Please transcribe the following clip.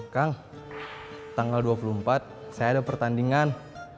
kang tanggal dua puluh empat saya ada pertandingan